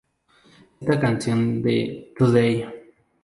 Esta canción de "Today!